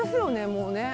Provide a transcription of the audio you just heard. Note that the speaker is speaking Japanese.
もうね。